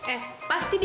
eh pasti dia